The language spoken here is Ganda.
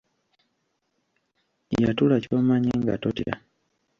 Yatula ky'omanyi nga totya.